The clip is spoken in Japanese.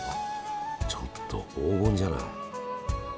ちょっと黄金じゃない。